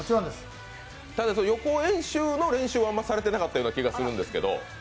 ただ、予行演習の練習はあまりされてなかったような気がするんですけど。